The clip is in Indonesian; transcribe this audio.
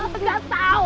gitu gak tau